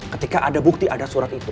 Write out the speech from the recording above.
ketika ada bukti ada surat itu